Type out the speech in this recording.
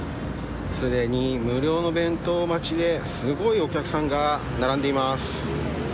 すでに無料の弁当待ちですごいお客さんが並んでいます。